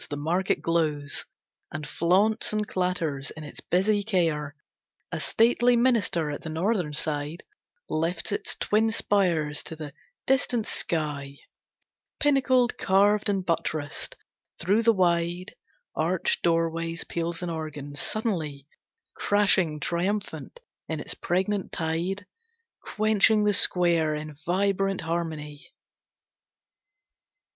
The market glows, And flaunts, and clatters in its busy care. A stately minster at the northern side Lifts its twin spires to the distant sky, Pinnacled, carved and buttressed; through the wide Arched doorway peals an organ, suddenly Crashing, triumphant in its pregnant tide, Quenching the square in vibrant harmony.